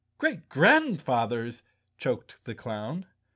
"Great Grandfathers!" choked the clown.